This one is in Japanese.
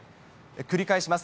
繰り返します。